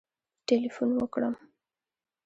ټلېفون وکړم